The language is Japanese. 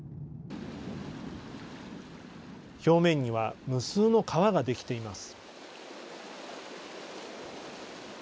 表面には無数の川が出来ています。